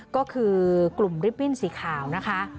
ก็คือกลุ่มริบบิ้นสีขาวนะคะ